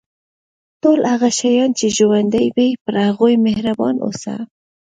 ټول هغه شیان چې ژوندي وي پر هغوی مهربان اوسه.